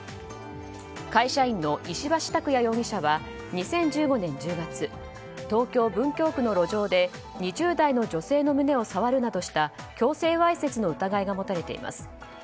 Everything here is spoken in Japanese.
会社員の石橋拓也容疑者は２０１５年１０月東京・文京区の路上で２０代の女性の胸を触るなどした強制わいせつの疑いが持たれています。